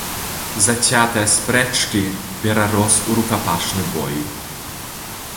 Зацятыя спрэчкі перарос у рукапашны бой.